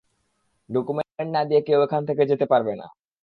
Document না দিয়ে কেউ এখান থেকে যেতে পারবে না।